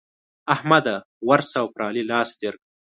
احمده! ورشه او پر علي لاس تېر کړه.